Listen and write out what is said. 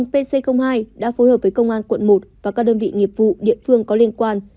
pc hai đã phối hợp với công an quận một và các đơn vị nghiệp vụ địa phương có liên quan